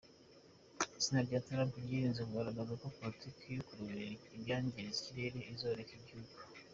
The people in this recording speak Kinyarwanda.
Itsinda rya Trump ryirinze kugaragaza ko politiki yo kureberera ibyangiza ikirere izoreka igihugu.